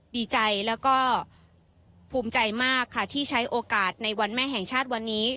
ดีใจแล้วก็ภูมิใจมากค่ะที่ใช้โอกาสในวันแม่แห่งชาติวันนี้